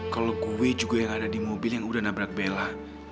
kalau gue juga yang ada di mobil yang udah nabrak bela